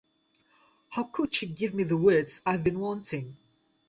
How could you give me the words I've been wanting?